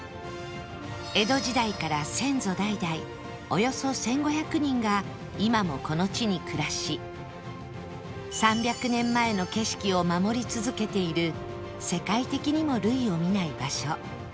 江戸時代から先祖代々およそ１５００人が今もこの地に暮らし３００年前の景色を守り続けている世界的にも類を見ない場所